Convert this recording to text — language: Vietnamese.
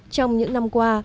trong những năm qua